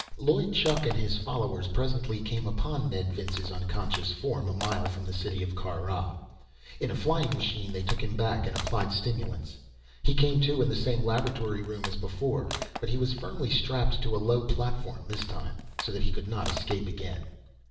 Loy Chuk and his followers presently came upon Ned Vince's unconscious form, a mile from the city of Kar Rah. In a flying machine they took him back, and applied stimulants. He came to, in the same laboratory room as before. But he was firmly strapped to a low platform this time, so that he could not escape again.